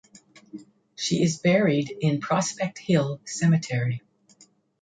She is buried in Prospect Hill Cemetery.